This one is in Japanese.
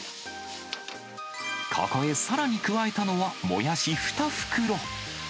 ここへさらに加えたのはモヤシ２袋。